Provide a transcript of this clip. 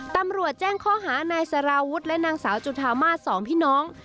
ตำรวจแจ้งข้อหานายสารวุฒิและนางสาวจุธามาสสองพี่น้อง